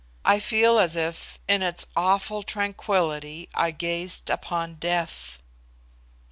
I feel as if, in its awful tranquillity, I gazed upon death."